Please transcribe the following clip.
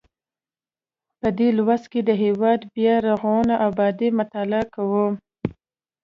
په دې لوست کې د هیواد بیا رغونه او ابادي مطالعه کوو.